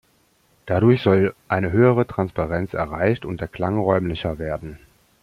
Dadurch soll eine höhere Transparenz erreicht und der Klang räumlicher werden.